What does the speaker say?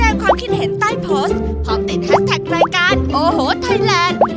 พร้อมแสดงความคิดเห็นใต้โพสต์พร้อมติดแฮสแท็กแรงการโอโหทัยแลนด์